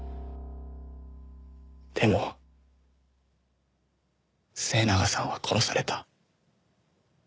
でも末永さんは殺された。